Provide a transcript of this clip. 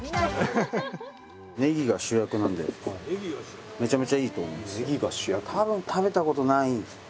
ねぎが主役なんでめちゃめちゃいいと思いますよ。